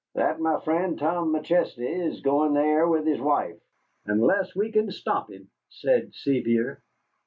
"That my friend, Tom McChesney, is going there with his wife, unless we can stop him," said Sevier.